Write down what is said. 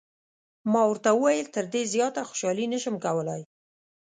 ما ورته وویل: تر دې زیاته خوشحالي نه شم کولای.